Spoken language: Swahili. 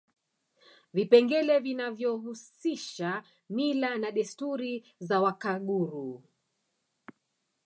Vipengele vinavyohusisha mila na desturi za Wakaguru